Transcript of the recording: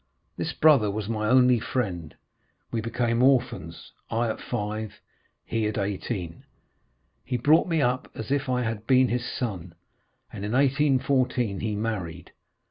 This brother was my only friend; we became orphans—I at five, he at eighteen. He brought me up as if I had been his son, and in 1814 he married.